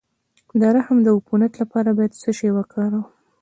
د رحم د عفونت لپاره باید څه شی وکاروم؟